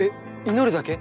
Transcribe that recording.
祈るだけ？